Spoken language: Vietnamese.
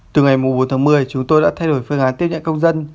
từ ngày bốn tháng một mươi chúng tôi đã thay đổi phương án tiếp nhận công dân